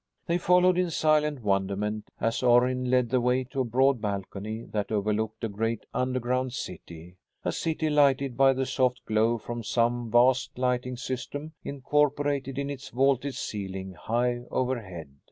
They followed in silent wonderment as Orrin led the way to a broad balcony that overlooked a great underground city a city lighted by the soft glow from some vast lighting system incorporated in its vaulted ceiling high overhead.